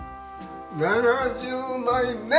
７０枚目！